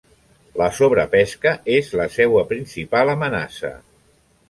La sobrepesca és la seua principal amenaça.